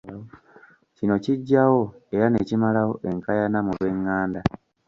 Kino kiggyawo era ne kimalawo enkaayana mu b'enganda.